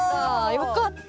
よかった。